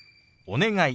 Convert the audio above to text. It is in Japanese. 「お願い」。